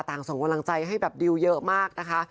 ต่างส่งกำลังใจให้ดิวเยอะมากนะคะ